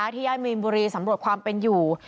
ย่านมีนบุรีสำรวจความเป็นอยู่